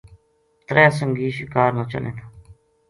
ترے سنگی شِکار نا چلیں تھا